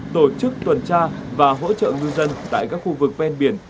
tổ chức tuần tra và hỗ trợ ngư dân tại các khu vực ven biển